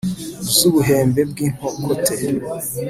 Z'ubuhembe bw'inkokote,